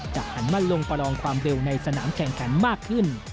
หันมาลงประลองความเร็วในสนามแข่งขันมากขึ้น